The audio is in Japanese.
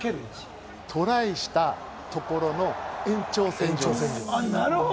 トライしたところの延長線上です。